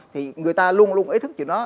thì người ta luôn luôn ý thức về nó